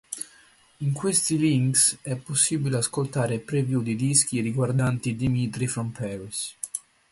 In questi links è possibile ascoltare preview di dischi riguardanti Dimitri From Paris